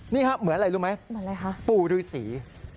นี่ค่ะเหมือนอะไรรู้ไหมปู่รือสี